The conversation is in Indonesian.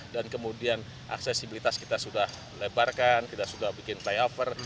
dan kemudian aksesibilitas kita sudah lebarkan kita sudah bikin flyover